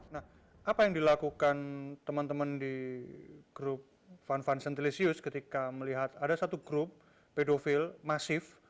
nah apa yang dilakukan teman teman di grup fun fun centilisius ketika melihat ada satu grup pedofil masif